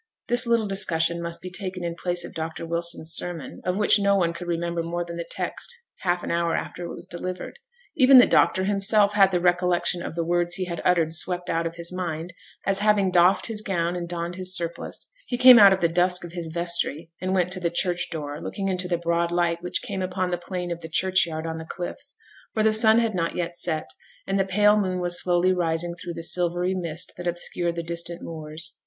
This little discussion must be taken in place of Dr Wilson's sermon, of which no one could remember more than the text half an hour after it was delivered. Even the doctor himself had the recollection of the words he had uttered swept out of his mind, as, having doffed his gown and donned his surplice, he came out of the dusk of his vestry and went to the church door, looking into the broad light which came upon the plain of the church yard on the cliffs; for the sun had not yet set, and the pale moon was slowly rising through the silvery mist that obscured the distant moors.